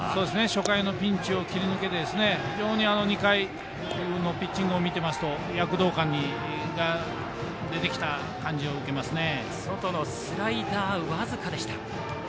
初回のピンチを切り抜けて非常に２回のピッチングを見てますと躍動感が出てきた感じを受けますね。